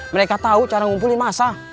mereka tahu cara ngumpulin massa